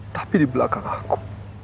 tapi di belakang aku